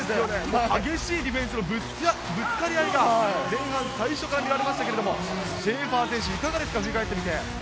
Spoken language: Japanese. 激しいディフェンスのぶつかり合いが前半の最初からになりましたが、シェーファー選手いかがですか？